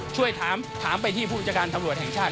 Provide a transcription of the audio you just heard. ช่วยถามไปที่ผู้จัดการตำรวจแห่งชาติ